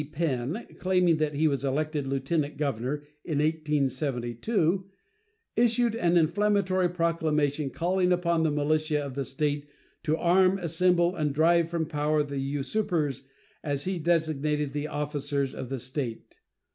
Penn, claiming that he was elected lieutenant governor in 1872, issued an inflammatory proclamation calling upon the militia of the State to arm, assemble, and drive from power the usurpers, as he designated the officers of the State.